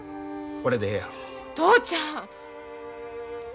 お父ちゃん！